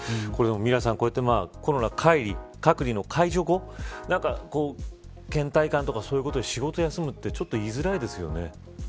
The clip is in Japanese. ミラさん、こうやってコロナ隔離の解除後倦怠感とか、そういうことで仕事を休むってちょっと言いづらいですよね。